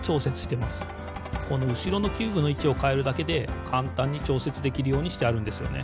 このうしろのキューブのいちをかえるだけでかんたんにちょうせつできるようにしてあるんですよね。